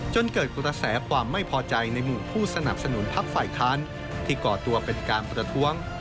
จนเกิดกระแสความไม่พอใจในหมู่ผู้สนับสนุนพักฝ่ายค้านที่ก่อตัวเป็นการประท้วง